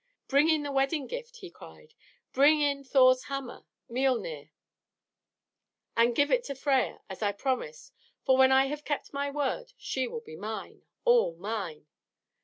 "Bring in the wedding gift!" he cried. "Bring in Thor's hammer, Miölnir, and give it to Freia, as I promised; for when I have kept my word she will be mine all mine!"